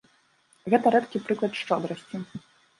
Гэта рэдкі прыклад шчодрасці.